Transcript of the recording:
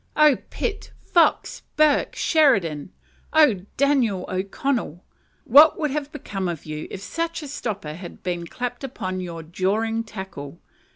Oh, Pitt, Fox, Burke, Sheridan! Oh, Daniel O'Connell! what would have become of you, if such a stopper had been clapt on your jawing tackle?